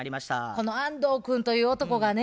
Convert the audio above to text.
この安藤君という男がね